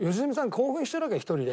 興奮してるわけ１人で。